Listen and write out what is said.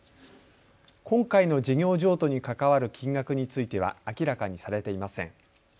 今回の事業譲渡に関わる金額については明らかにされていません。